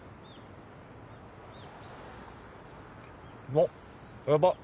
あっヤバッ。